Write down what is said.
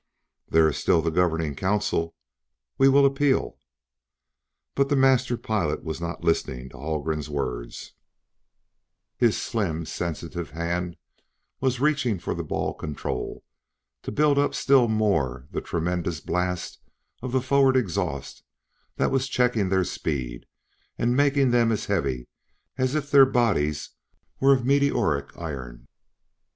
"There is still the Governing Council we will appeal " But the master pilot was not listening to Haldgren's words; his slim, sensitive hand was reaching for the ball control to build up still more the tremendous blast of a forward exhaust that was checking their speed and making them as heavy as if their bodies were of meteoric iron.